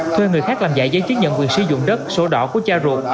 thuê người khác làm giải giấy chứng nhận quyền sử dụng đất số đỏ của cha ruột